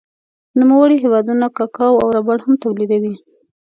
نوموړی هېوادونه کاکاو او ربړ هم تولیدوي.